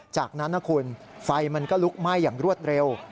จากนั้นนะคุณไฟมันก็ลุกไหม้อย่างรวดเร็ว